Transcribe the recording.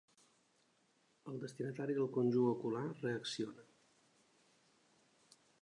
El destinatari del conjur ocular reacciona.